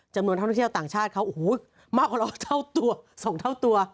จำนวนท่องเที่ยวต่างชาติเขาโอ้โหมากกว่าเราเท่าตัว๒เท่าตัว